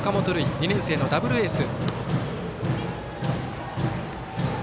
２年生のダブルエース。